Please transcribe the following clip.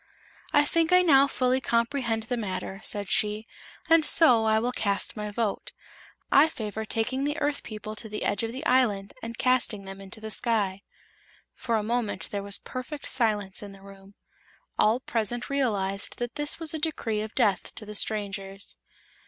"I think I now fully comprehend the matter," said she, "and so I will cast my vote. I favor taking the Earth people to the edge of the island and casting them into the sky." For a moment there was perfect silence in the room. All present realized that this was a decree of death to the strangers.